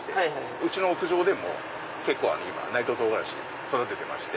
うちの屋上でも今内藤とうがらし育ててまして。